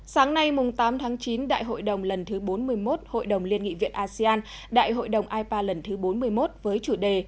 sáng nay tám tháng chín đại hội đồng lần thứ bốn mươi một hội đồng liên nghị viện asean đại hội đồng ipa lần thứ bốn mươi một với chủ đề